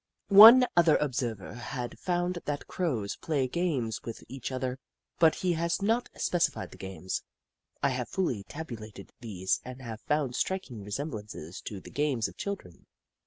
One other observer has found that Crows play games with each other, but he has not specified the games. I have fully tabulated these and have found strlkinof resemblances to the games of children.